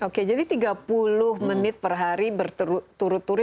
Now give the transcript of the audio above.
oke jadi tiga puluh menit per hari berturut turut